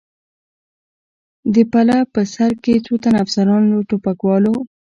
د پله په سر کې څو تنه افسران، له ټوپکوالو.